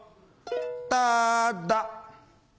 ただ！